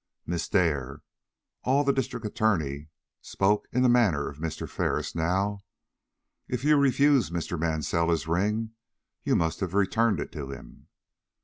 "Miss Dare," all the District Attorney spoke in the manner of Mr. Ferris now, "if you refused Mr. Mansell his ring, you must have returned it to him?"